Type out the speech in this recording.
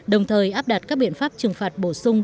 đồng thời áp đặt các biện pháp trừng phạt bổ sung